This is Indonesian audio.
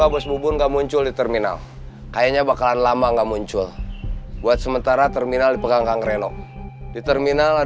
boy udah lama gak di terminal